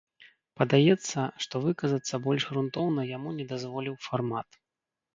Падаецца, што выказацца больш грунтоўна яму не дазволіў фармат.